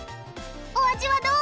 お味はどう？